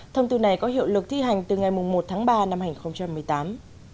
thông tư này có hiệu lực thi hành từ ngày một tháng ba năm hai nghìn một mươi tám